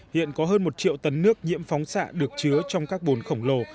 hiện có hơn một triệu tấn nước nhiễm phóng xạ được chứa trong các bồn khổng lồ